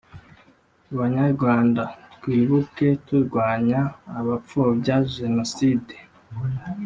“banyarwanda, twibuke turwanya abapfobya jenoside,